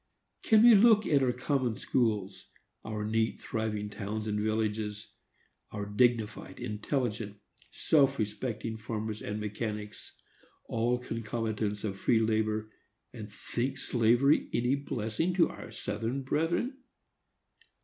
Can we look at our common schools, our neat, thriving towns and villages, our dignified, intelligent, self respecting farmers and mechanics, all concomitants of free labor, and think slavery any blessing to our Southern brethren?